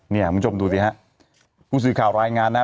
เนี่ยมองชมดูสิฮะผู้สืบข่าวรายงานนะฮะ